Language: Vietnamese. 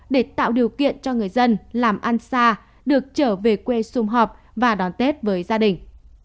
để tạo điều kiện cho người dân làm ăn xa được trở về quê xung họp và đón tết với gia đình